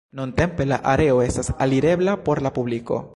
Nuntempe la areo estas alirebla por la publiko.